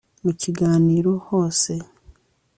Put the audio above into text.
mu kiganiro hose